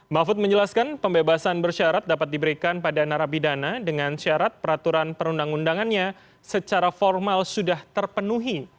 mahfud menjelaskan pembebasan bersyarat dapat diberikan pada narapidana dengan syarat peraturan perundang undangannya secara formal sudah terpenuhi